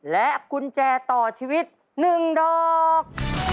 และกุญแจต่อชีวิต๑ดอก